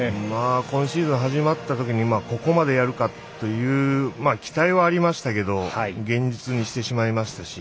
今シーズン始まったときにここまでやるかという期待はありましたけど現実にしてしまいましたし。